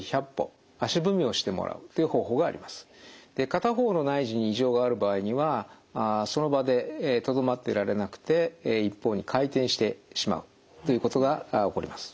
で片方の内耳に異常がある場合にはその場でとどまっていられなくて一方に回転してしまうということが起こります。